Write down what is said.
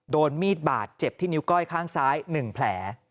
โดนมีดบาดเจ็บที่นิ้วก้อยข้างซ้าย๑แผล